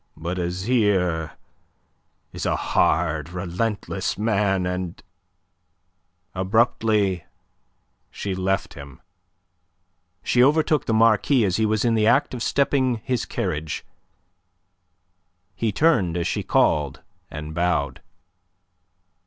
But Azyr is a hard, relentless man, and..." Abruptly she left him. She overtook the Marquis as he was in the act of stepping his carriage. He turned as she called, and bowed.